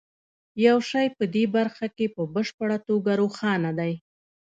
یو شی په دې برخه کې په بشپړه توګه روښانه دی